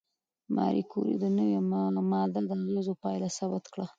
ماري کوري د نوې ماده د اغېزو پایله ثبت کړه.